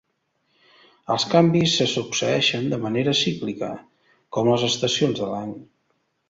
Els canvis se succeeixen de manera cíclica, com les estacions de l'any.